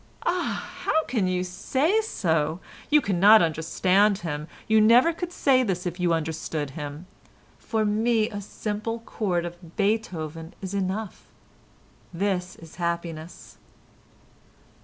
"Ah! how can you say so? You cannot understand him, you never could say this if you understood him. For me a simple chord of Beethoven is enough. This is happiness."